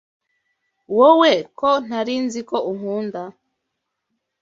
Wowe ko ntari nziko unkunda